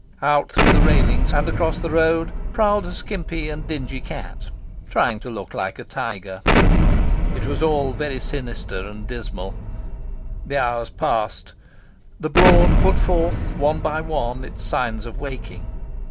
Out through the railings, and across the road, prowled a skimpy and dingy cat, trying to look like a tiger. It was all very sinister and dismal. The hours passed. The Broad put forth, one by one, its signs of waking.